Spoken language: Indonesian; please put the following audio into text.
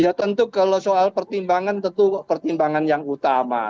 ya tentu kalau soal pertimbangan tentu pertimbangan yang utama